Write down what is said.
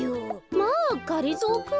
まあがりぞーくん？